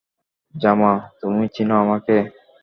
জামা, তুমি চিন আমাকে।